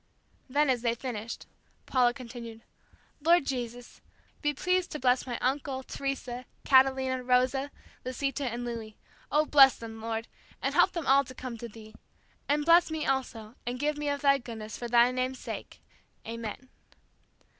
Then, as they finished, Paula continued, "Lord Jesus, be pleased to bless my uncle, Teresa, Catalina, Rosa, Lisita and Louis. Oh, bless them, Lord, and help them all to come to Thee. And bless me, also, and give me of Thy goodness, for Thy name's sake, Amen."